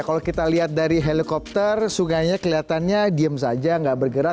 kalau kita lihat dari helikopter sungainya kelihatannya diem saja nggak bergerak